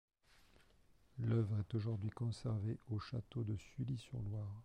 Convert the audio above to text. L'œuvre est aujourd'hui conservée au château de Sully-sur-Loire.